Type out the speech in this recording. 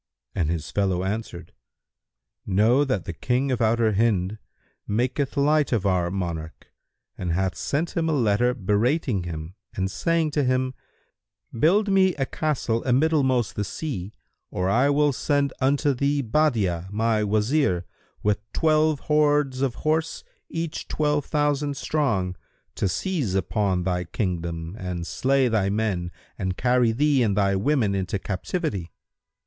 and his fellow answered, "Know that the King of Outer Hind[FN#169] maketh light of our monarch, and hath sent him a letter berating him and saying to him, 'Build me a castle amiddlemost the sea, or I will send unto thee Badi'a my Wazir, with twelve hordes of horse, each twelve thousand strong, to seize upon thy kingdom and slay thy men and carry thee and thy women into captivity.'